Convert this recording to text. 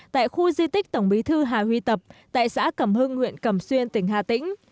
tại khu di tích tổng bí thư hà huy tập tại xã cẩm hưng huyện cẩm xuyên tỉnh hà tĩnh